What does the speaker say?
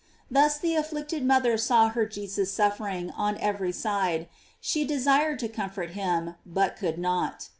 * Thus the afflicted mother saw her Jesus suffering on every side ; she desired to comfort him, but could not.